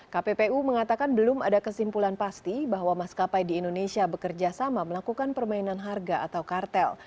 kppu mengatakan belum ada kesimpulan pasti bahwa maskapai di indonesia bekerja sama melakukan permainan harga atau kartel